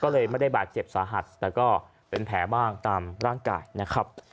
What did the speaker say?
ก็เลยไม่ได้บาดเจ็บสาหัสแต่ก็เป็นแผลบ้างตามร่างกายนะครับ